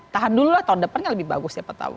tahan dulu lah tahun depannya lebih bagus siapa tahu